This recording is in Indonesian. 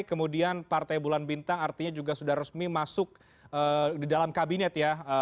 kemudian partai bulan bintang artinya juga sudah resmi masuk di dalam kabinet ya